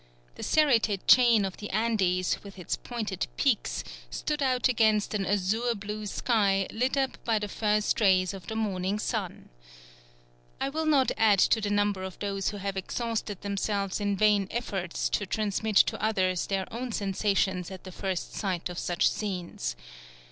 The serrated chain of the Andes, with its pointed peaks, stood out against an azure blue sky lit up by the first rays of the morning sun. I will not add to the number of those who have exhausted themselves in vain efforts to transmit to others their own sensations at the first sight of such scenes.